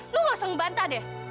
lo gak usah ngebantah deh